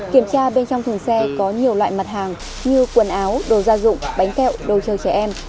kiểm tra bên trong thùng xe có nhiều loại mặt hàng như quần áo đồ gia dụng bánh kẹo đồ chơi trẻ em